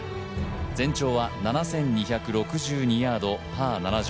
全長は７２６２ヤード、パー７０。